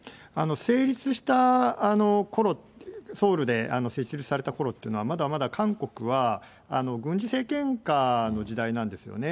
成立したころ、ソウルで設立されたころっていうのは、まだまだ韓国は軍事政権下の時代なんですよね。